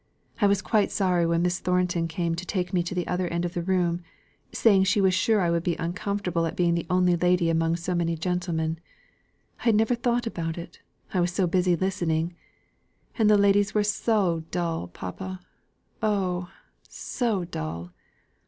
I was quite sorry when Miss Thornton came to take me to the other end of the room, saying she was sure I should be uncomfortable at being the only lady among so many gentlemen. I had never thought about it, I was so busy listening; and the ladies were so dull, papa oh, so dull!